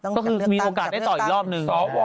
ก็คือมีโอกาสได้ต่ออีกรอบนึง